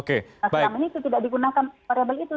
masih lama ini tidak digunakan variable itu